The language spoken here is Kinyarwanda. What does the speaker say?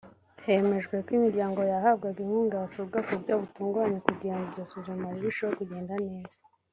Hemejwe ko imiryango yahabwaga inkuga yasurwa ku buryo butunguranye kugira ngo iryo suzuma rirusheho kugenda neza